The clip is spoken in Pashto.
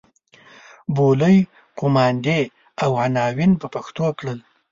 بولۍ قوماندې او عناوین په پښتو کړل.